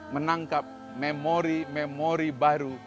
menangkap memori memori baru